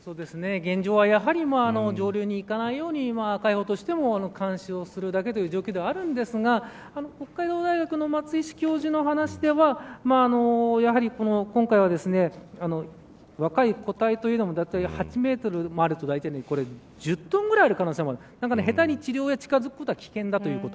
現状はやはり上流に行かないように海保としても監視をするだけという状況ではあるんですが北海道大学の松石教授の話ではやはり、今回は若い個体ということで８メートルあると１０トンぐらいある可能性もあるので下手に治療や近づくことは危険だということ。